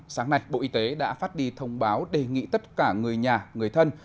sáng nay bộ y tế đã phát đi thông báo đề nghị tất cả người nhà người thân